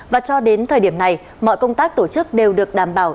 và cho đến thời điểm này mọi công tác tổ chức đều được đảm bảo